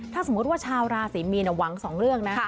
ถ้าสมมุติว่าชาวราศรีมีนหวังสองเรื่องนะ